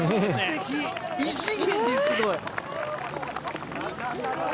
異次元にすごい！